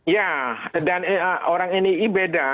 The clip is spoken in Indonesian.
ya dan orang nii beda